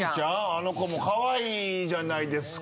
あの子もカワイイじゃないですか。